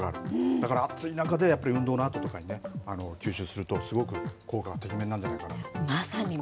だから暑い中で、やっぱり運動のあととかに吸収するとすごく効果てきめんなんじゃまさに。